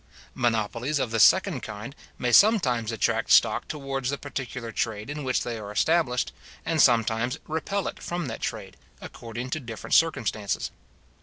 Monopolies of the second kind may sometimes attract stock towards the particular trade in which they are established, and sometimes repel it from that trade, according to different circumstances.